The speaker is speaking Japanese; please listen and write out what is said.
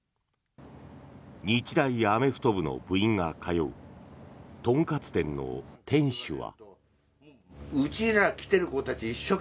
日大アメフト部の部員が通う豚カツ店の店主は。